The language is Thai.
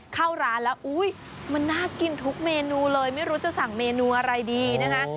เข้าร้านแล้วอุ๊ยมันน่ากินทุกเมนูเลยไม่รู้จะสั่งเมนูอะไรดีนะคะ